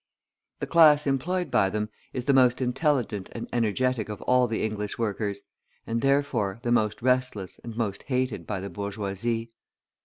The class employed by them is the most intelligent and energetic of all the English workers, and, therefore, the most restless and most hated by the bourgeoisie.